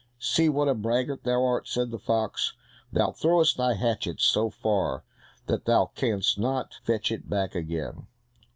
"See what a braggart thou art!" said the fox. "Thou throwest thy hatchet so far that thou canst not fetch it back again!"